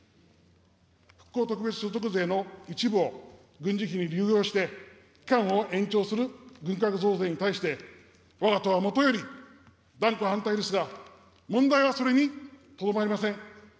復興特別所得税の一部を軍事費に流用して期間を延長する軍拡増税に対して、わが党はもとより断固反対ですが、問題はそれにとどまりません。